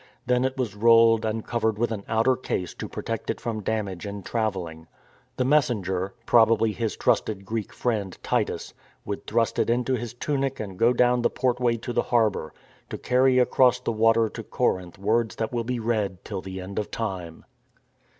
Then it was rolled and covered with an outer case to protect it from damage in travelling. The messenger — possibly his trusted Greek friend Titus — would thrust it into his tunic and go down the portway to the harbour, to carry across the water to Corinth words that will be read till the end of time.